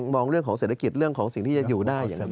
มองเรื่องของเศรษฐกิจเรื่องของสิ่งที่จะอยู่ได้อย่างนั้น